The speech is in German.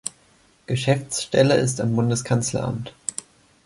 Geschäftsstelle ist am Bundeskanzleramt.